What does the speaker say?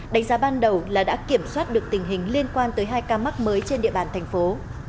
đánh giá ban đầu là đã kiểm soát được tình hình liên quan tới hai ca mắc mới trên địa bàn thành phố